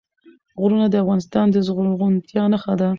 غرونه د افغانستان د زرغونتیا نښه ده.